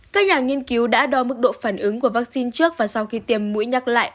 các nhà nghiên cứu đã đo mức độ phản ứng của vaccine trước và sau khi tiêm mũi nhắc lại